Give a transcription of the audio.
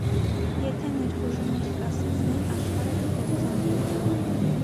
Եթե ներխուժումը չկասեցնեն, աշխարհը կկործանվի։